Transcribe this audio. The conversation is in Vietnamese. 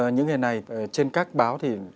những ngày này trên các báo thì